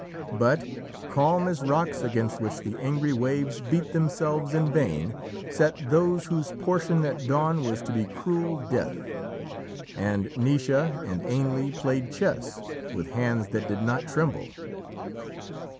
But, calm as rocks against which the angry waves beat themselves in vain, sat those whose portion at dawn was to be cruel death. And Naoise and Ainle played chess, with hands that did not tremble.